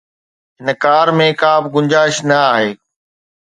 هن ڪار ۾ ڪا به گنجائش نه آهي